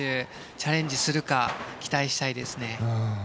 チャレンジするか期待したいです。